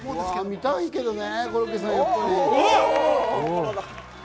見たいけどね。